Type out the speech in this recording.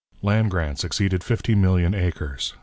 Land grants exceeded fifty million acres.